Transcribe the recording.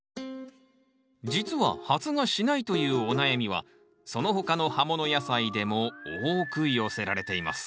実は発芽しないというお悩みはその他の葉もの野菜でも多く寄せられています